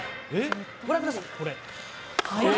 ご覧ください。